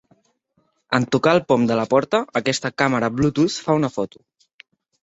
En tocar el pom de la porta, aquesta càmera Bluetooth fa una foto.